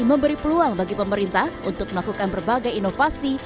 memberi peluang bagi pemerintah untuk melakukan berbagai inovasi